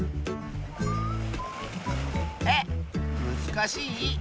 えっむずかしい？